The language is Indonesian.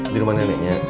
di rumah neneknya